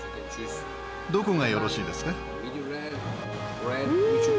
どこがよろしいですか？